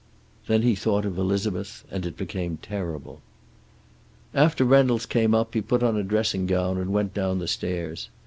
Then he thought of Elizabeth, and it became terrible. After Reynolds came up he put on a dressing gown and went down the stairs.